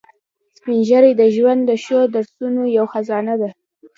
سپین ږیری د ژوند د ښو درسونو یو خزانه دي